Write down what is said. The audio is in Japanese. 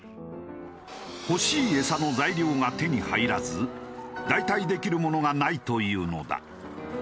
欲しい餌の材料が手に入らず代替できるものがないというのだ。